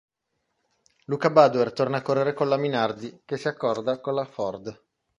Luca Badoer torna a correre con la Minardi, che si accorda con la Ford.